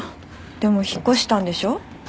でも引っ越したんでしょ？